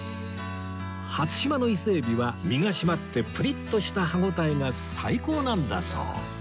初島の伊勢海老は身が締まってプリッとした歯応えが最高なんだそう